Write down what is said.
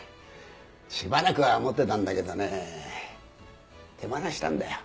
しばらくは持ってたんだけどね手放したんだよ。